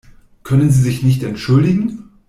Können Sie sich nicht entschuldigen?